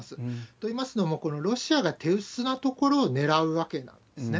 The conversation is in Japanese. といいますのも、ロシアが手薄なところを狙うわけですね。